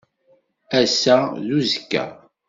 Ass-a d uzekka.